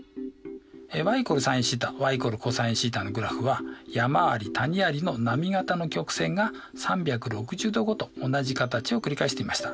ｙ＝ｓｉｎθｙ＝ｃｏｓθのグラフは山あり谷ありの波形の曲線が３６０°ごと同じ形を繰り返していました。